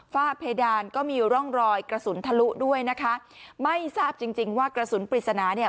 ฝ้าเพดานก็มีร่องรอยกระสุนทะลุด้วยนะคะไม่ทราบจริงจริงว่ากระสุนปริศนาเนี่ย